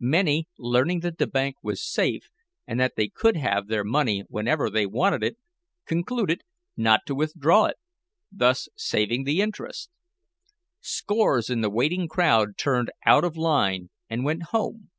Many, learning that the bank was safe, and that they could have their money whenever they wanted it, concluded not to withdraw it, thus saving the interest. Scores in the waiting crowd turned out of line and went home.